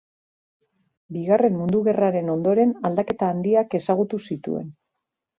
Bigarren Mundu Gerraren ondoren aldaketa handiak ezagutu zituen.